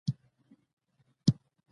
په هماغه اندازه دې له سترګو څخه لوييږي